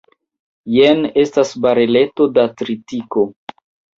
Jen estas bareleto da tritiko.